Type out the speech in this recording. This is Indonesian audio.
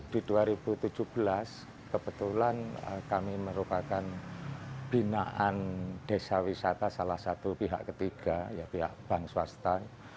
di dua ribu tujuh belas kebetulan kami merupakan binaan desa wisata salah satu pihak ketiga pihak bank swasta